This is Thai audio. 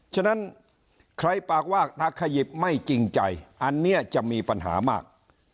ฉะนั้นใครปากว่าถ้าขยิบไม่จริงใจอันนี้จะมีปัญหามาก